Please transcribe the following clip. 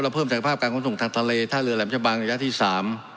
เราเพิ่มสังคมภาพการค้นส่งทางทะเลท่าเรือแหลมชะบังยังยังที่สาม